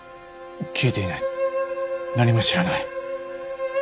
聞いていない何も知らない。